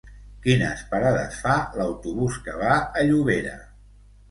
Quines parades fa l'autobús que va a Llobera?